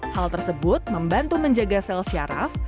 hal tersebut membantu menjaga sel syaraf